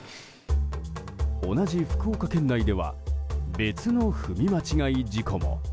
同じ福岡県内では別の踏み間違い事故も。